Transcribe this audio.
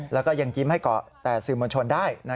แล้วก็ยังยิ้มให้เกาะแต่สื่อมวลชนได้